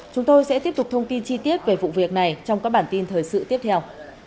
chúng tôi sẽ tiếp tục thông tin chi tiết về vụ việc này trong các bản tin thời sự tiếp theo